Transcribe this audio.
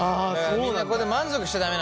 みんなここで満足しちゃ駄目なのよ。